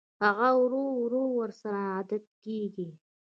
هغه ورو ورو ورسره عادت کېږي